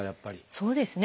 そうですね。